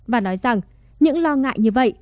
và nói rằng những lo ngại như vậy